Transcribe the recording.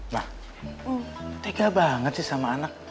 wah tega banget sih sama anak